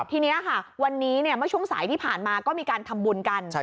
ทีนี้ค่ะวันนี้เมื่อช่วงสายที่ผ่านมาก็มีการทำบุญกัน